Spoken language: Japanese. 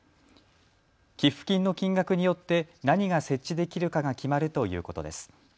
寄付金の金額によって何が設置できるかが決まるということです。